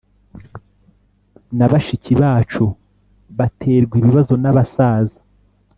na bashiki bacu baterwa ibibazo n abasaza